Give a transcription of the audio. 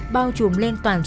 bao chùm lên toàn sát